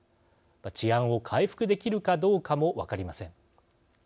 治安を回復できるかどうかも分かりません。